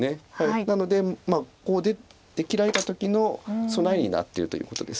なのでこう出切られた時の備えになってるということです。